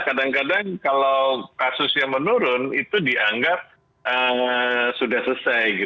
kadang kadang kalau kasusnya menurun itu dianggap sudah selesai